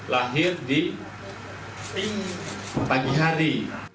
lahir di pagi hari